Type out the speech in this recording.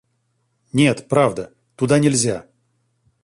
— Нет, правда. Туда нельзя.